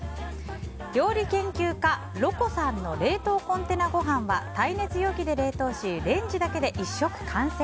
料理研究家ろこさんの冷凍コンテナごはんは耐熱容器で冷凍しレンジだけで１食完成！